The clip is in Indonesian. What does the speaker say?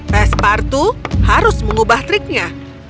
pesparto harus mengubah triknya